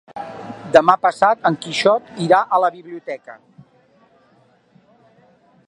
Demà passat en Quixot irà a la biblioteca.